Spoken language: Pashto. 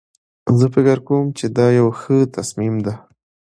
زه فکر کوم چې دا یو ښه تصمیم ده